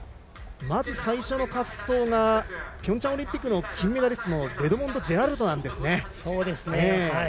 まず最初の滑走がピョンチャンオリンピックの金メダリストのレドモンド・ジェラルドです。